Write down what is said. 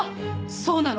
そうなの。